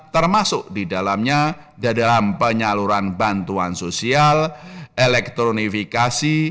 termasuk di dalamnya di dalam penyaluran bantuan sosial elektronifikasi